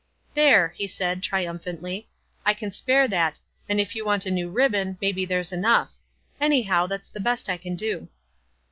"There!" he said, triumphantly, "I can spare that, and if you want a new ribbon, may be there's enough. Anyhow, it's the best I can do."